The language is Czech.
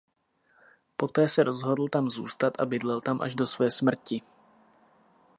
Poté se rozhodl tam zůstat a bydlel tam až do své smrti.